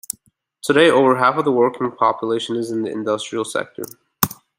Today over half of the working population is in the industrial sector.